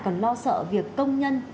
còn lo sợ việc công nhân